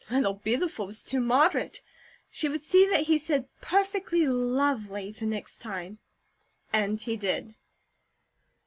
"Little Beautiful" was too moderate. She would see that he said "perfectly lovely," the next time, and he did.